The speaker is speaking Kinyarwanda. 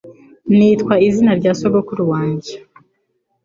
Nitwa izina rya sogokuru wanjye